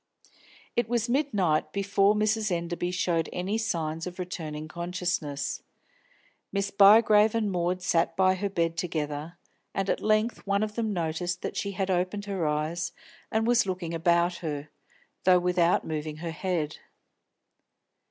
It was midnight and before Mrs. Enderby showed any signs of returning consciousness. Miss Bygrave and Maud sat by her bed together, and at length one of them noticed that she had opened her eyes and was looking about her, though without moving her head.